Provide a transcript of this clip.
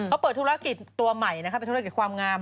เขาเปิดธุรกิจตัวใหม่นะคะเป็นธุรกิจความงาม